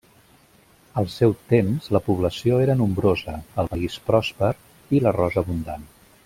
Al seu temps la població era nombrosa, el país pròsper i l'arròs abundant.